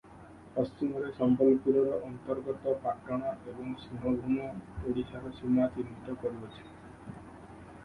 ପଶ୍ଚିମରେ ସମ୍ବଲପୁରର ଅନ୍ତର୍ଗତ ପାଟଣା ଏବଂ ସିଂହଭୂମ ଓଡ଼ିଶାର ସୀମା ଚିହ୍ନିତ କରୁଅଛି ।